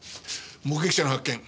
目撃者の発見。